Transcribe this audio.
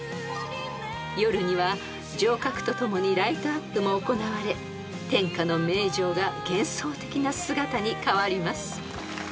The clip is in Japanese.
［夜には城郭とともにライトアップも行われ天下の名城が幻想的な姿に変わります］